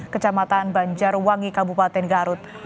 kecamatan banjarwangi kabupaten garut